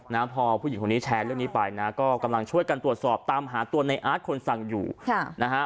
นะพอผู้หญิงคนนี้แชร์เรื่องนี้ไปนะก็กำลังช่วยกันตรวจสอบตามหาตัวในอาร์ตคนสั่งอยู่ค่ะนะฮะ